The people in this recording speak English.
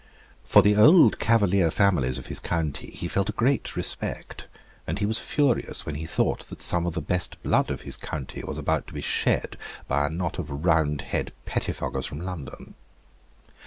For the old Cavalier families of his county he felt a great respect; and he was furious when he thought that some of the best blood of his county was about to be shed by a knot of Roundhead pettifoggers from London.